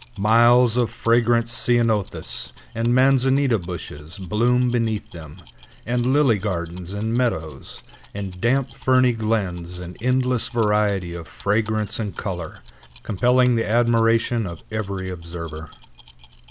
Miles of fragrant ceanothus and manzanita bushes bloom beneath them, and lily gardens and meadows, and damp, ferny glens in endless variety of fragrance and color, compelling the admiration of every observer.